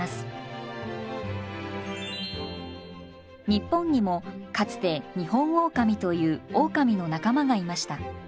日本にもかつてニホンオオカミというオオカミの仲間がいました。